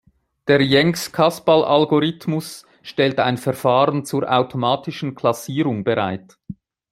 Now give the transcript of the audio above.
Der Jenks-Caspall-Algorithmus stellt ein Verfahren zur automatischen Klassierung bereit.